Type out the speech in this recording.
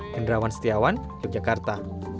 kendrawan setiawan yogyakarta